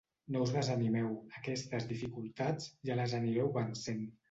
No us desanimeu: aquestes dificultats, ja les anireu vencent.